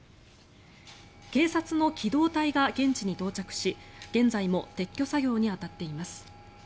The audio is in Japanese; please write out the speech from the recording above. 警察の機動隊が現地に到着し現在も撤去作業に当たっています